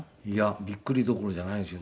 びっくりどころじゃないですよ。